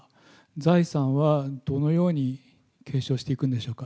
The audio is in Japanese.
財産はどのように継承していくんでしょうか。